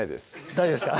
大丈夫ですか？